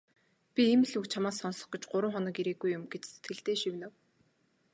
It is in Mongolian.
"Би ийм л үг чамаасаа сонсох гэж гурав хоног ирээгүй юм" гэж сэтгэлдээ шивнэв.